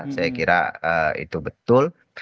saya kira itu betul